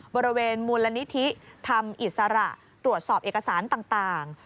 บริเวณมูลนิธิธรรมอิสระตรวจสอบเอกสารต่าง